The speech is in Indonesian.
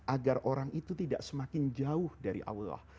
agar orang itu tidak semakin jauh dari allah